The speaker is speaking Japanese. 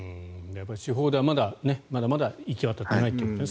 地方ではまだまだ行き渡ってないということですね